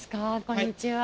こんにちは。